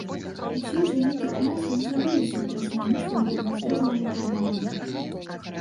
Усё ж вялікі князь не забыліся пра сям'ю свайго заслужанага падданага.